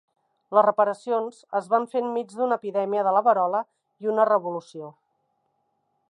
Les reparacions es van fer enmig d'una epidèmia de la verola i una revolució.